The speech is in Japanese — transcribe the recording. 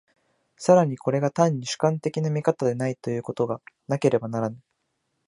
更にこれが単に主観的な見方でないということがなければならぬ。